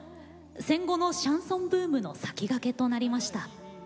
戦後のシャンソンブームの先駆けとなりました。